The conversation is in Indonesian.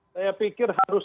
saya pikir harus